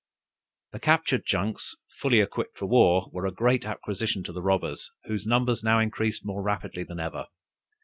The captured junks, fully equipped for war, were a great acquisition to the robbers, whose numbers now increased more rapidly than ever.